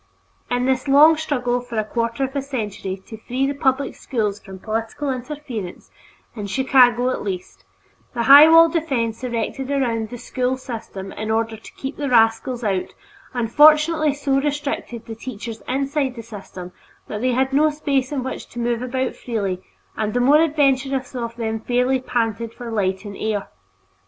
In this long struggle for a quarter of a century to free the public schools from political interference, in Chicago at least, the high wall of defense erected around the school system in order "to keep the rascals out" unfortunately so restricted the teachers inside the system that they had no space in which to move about freely and the more adventurous of them fairly panted for light and air.